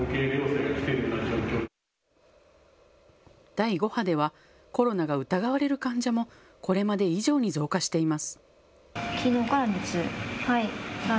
第５波ではコロナが疑われる患者もこれまで以上に増加しています。